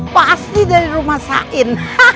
pasti dari rumah sain